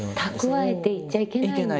蓄えていちゃいけない。